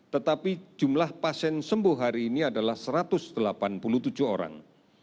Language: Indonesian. tetapi jumlah pasien sembuh hari ini adalah satu ratus delapan puluh tujuh orang